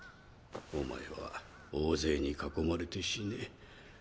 お前は大勢に囲まれて死ね。